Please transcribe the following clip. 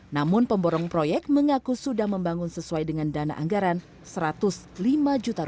namun pemborong proyek mengaku sudah membangun sesuai dengan dana anggaran rp satu ratus lima juta